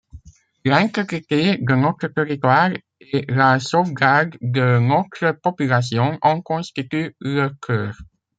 L’intégrité de notre territoire et la sauvegarde de notre population en constituent le cœur.